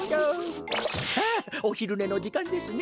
さあおひるねのじかんですね。